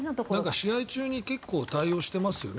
試合中に結構対応していますよね。